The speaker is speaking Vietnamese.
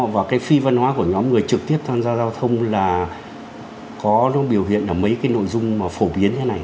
và cái phi văn hóa của nhóm người trực tiếp tham gia giao thông là có biểu hiện ở mấy cái nội dung phổ biến như thế này